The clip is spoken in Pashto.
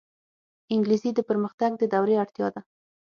انګلیسي د پرمختګ د دورې اړتیا ده